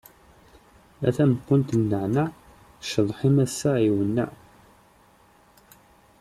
A tameqqunt n nneɛneɛ, ccḍeḥ-im ass-a iwenneɛ.